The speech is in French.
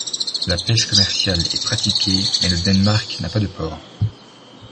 La pêche commerciale est pratiquée, mais le Denmark n’a pas de port.